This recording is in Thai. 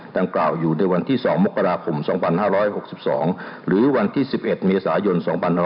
กล่าวอยู่ในวันที่๒มกราคม๒๕๖๒หรือวันที่๑๑เมษายน๒๕๖๒